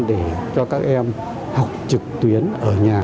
để cho các em học trực tuyến ở nhà